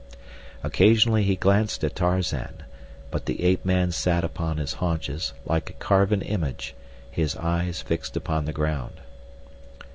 Occasionally he glanced at Tarzan; but the ape man sat upon his haunches, like a carven image, his eyes fixed upon the ground.